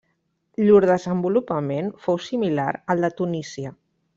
Llur desenvolupament fou similar al de Tunísia.